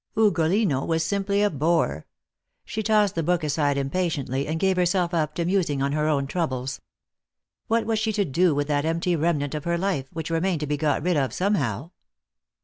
Ugolino was simply a bore. She tossed the book aside impatiently, and gave herself up to musing on her own troubles. What was she to do with that empty remnant of her life, which remained to be got rid of somehow